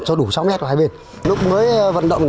cho đủ sáu m vào hai bên lúc mới vận động